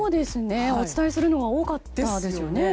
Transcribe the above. お伝えするのが多かったですよね。